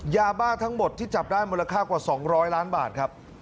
ยาบ้าทั้งหมดที่จับได้มูลค่ากว่า๒๐๐ล้านบาทครับ